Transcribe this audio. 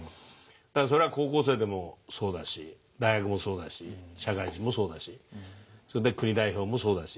だからそれは高校生でもそうだし大学もそうだし社会人もそうだしそれで国代表もそうだし。